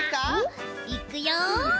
いくよ！